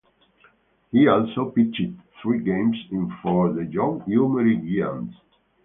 He also pitched three games in for the Yomiuri Giants.